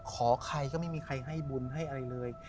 ขอใครก็ไม่มีใครให้บุญให้อะไรเลย